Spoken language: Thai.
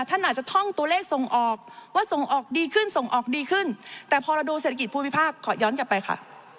ท่านอาจจะท่องตัวเลขส่งออกว่าส่งออกดีขึ้นส่งออกดีขึ้นแต่พอเราดูเศรษฐกิจภูมิภาคขอย้อนกลับไปค่ะ